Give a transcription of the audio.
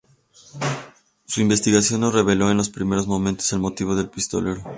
Su investigación no reveló en los primeros momentos el motivo del pistolero.